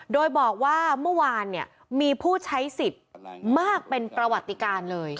โดยบอกว่าเมื่อวานมีผู้ใช้สิทธิ์มากเป็นประวัติการเลย